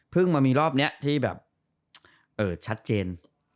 มามีรอบนี้ที่แบบชัดเจน